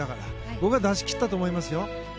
僕は出しきったと思いますよ。